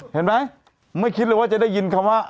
เห็นไหมไม่คิดเลยว่าจะได้ยินคำว่า